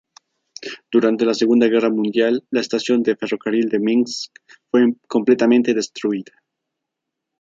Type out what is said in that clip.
Durante la Segunda Guerra Mundial, la estación de ferrocarril de Minsk fue completamente destruida.